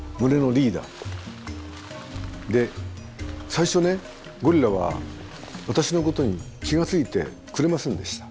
最初ねゴリラは私のことに気が付いてくれませんでした。